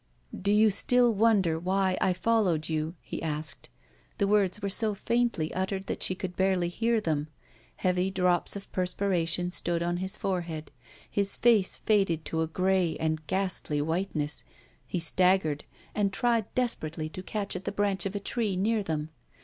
"Do you still wonder why I followed you?" he asked. The words were so faintly uttered that she could barely hear them. Heavy drops of perspiration stood on his forehead; his face faded to a gray and ghastly whiteness he staggered, and tried desperately to catch at the branch of a tree near them.